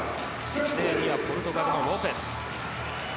１レーンにはポルトガルのロペス。